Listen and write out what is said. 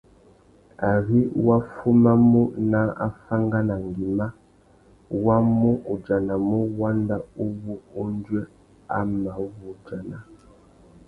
Ari wá fumamú nà afánganangüima, wá mù udjanamú wanda uwú undjuê a mà wu udjana.